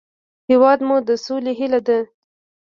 هېواد مو د سولې هیله ده